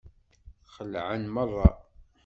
Xelεen merra.